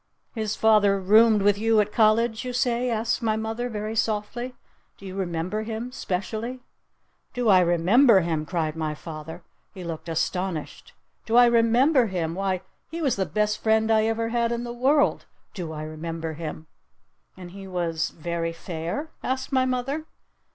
"His father roomed with you at college, you say?" asked my mother very softly. "Do you remember him specially?" "Do I remember him?" cried my father. He looked astonished. "Do I remember him? Why, he was the best friend I ever had in the world! Do I remember him?" "And he was very fair?" asked my mother.